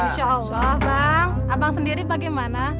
insya allah bang abang sendiri pakai mana